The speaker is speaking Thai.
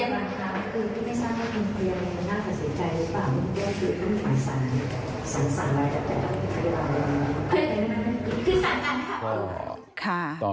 คือสั่งตัวนี้ค่ะ